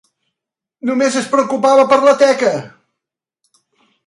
Només es preocupava per la teca.